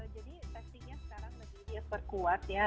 jadi testingnya sekarang menjadi lebih berkuat ya